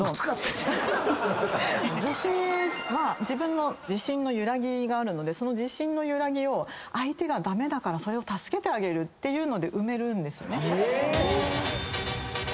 女性は自分の自信の揺らぎがあるのでその揺らぎを相手が駄目だから助けてあげるっていうので埋めるんですよね。